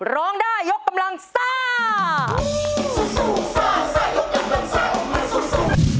ร้องได้ยกกำลังซ่า